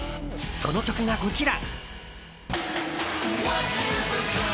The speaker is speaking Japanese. その曲が、こちら。